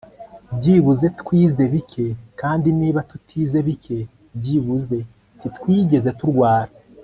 byibuze twize bike, kandi niba tutize bike, byibuze ntitwigeze turwara